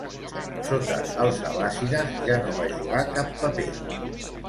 Sota els abbàssides ja no va jugar cap paper.